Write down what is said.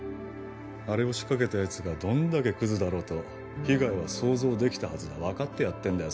あれを仕掛けたやつがどんだけクズだろうと被害は想像できたはずだ分かってやってんだよ